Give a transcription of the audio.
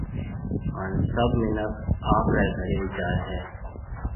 ھان سڀ منک آپرَي گھرَي جائيَ ھيََََ